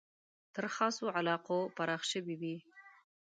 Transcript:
تر خاصو علاقو پراخ شوی وي.